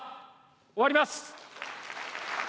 終わります。